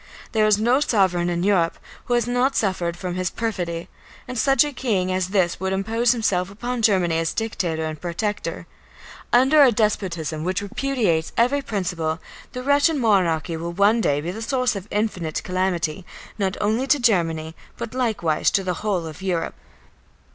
There is no sovereign in Europe who has not suffered from his perfidy. And such a king as this would impose himself upon Germany as dictator and protector! Under a despotism which repudiates every principle, the Prussian monarchy will one day be the source of infinite calamity, not only to Germany, but likewise to the whole of Europe."